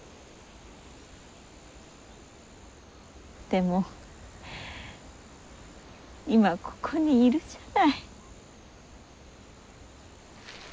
でも今ここにいるじゃない。